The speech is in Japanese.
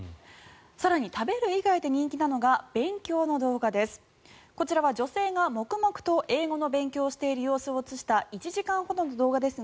更に、食べる以外で人気なのが勉強の動画です。